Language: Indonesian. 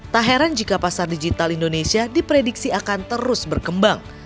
tak heran jika pasar digital indonesia diprediksi akan terus berkembang